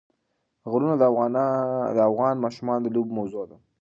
غرونه د افغان ماشومانو د لوبو موضوع ده.